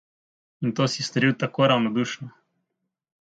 In to si storil tako ravnodušno.